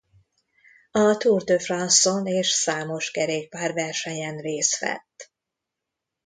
A Tour de France-on és számos kerékpárversenyen részt vett.